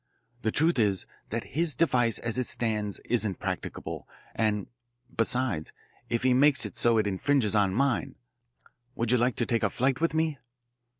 The truth is that his device as it stands isn't practicable, and, besides, if he makes it so it infringes on mine. Would you like to take a flight with me?"